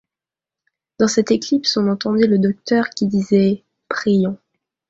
Dans cette éclipse on entendit le docteur qui disait: — Prions.